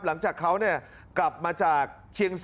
หลังจากเขากลับมาจากเชียง